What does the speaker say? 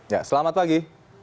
ya selamat pagi